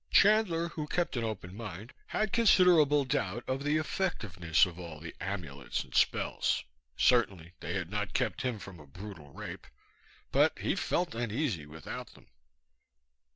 Chandler, who kept an open mind, had considerable doubt of the effectiveness of all the amulets and spells certainly they had not kept him from a brutal rape but he felt uneasy without them....